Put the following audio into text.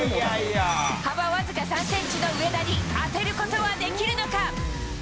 幅僅か３センチの上田に当てることはできるのか？